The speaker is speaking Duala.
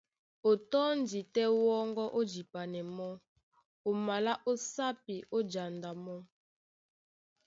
O tɔ́ndi tɛ́ wɔ́ŋgɔ́ ó jipanɛ mɔ́, o malá ó sápi, ó janda mɔ́.